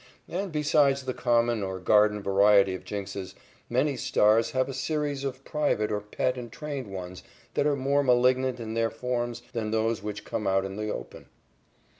And besides the common or garden variety of jinxes, many stars have a series of private or pet and trained ones that are more malignant in their forms than those which come out in the open.